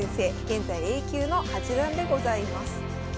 現在Ａ級の八段でございます。